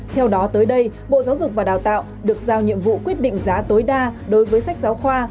theo đó tới đây bộ giáo dục và đào tạo được giao nhiệm vụ quyết định giá tối đa đối với sách giáo khoa